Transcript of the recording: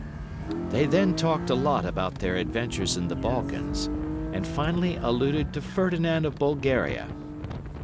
"They then talked a lot about their adventures in the Balkans, and finally alluded to Ferdinand of Bulgaria.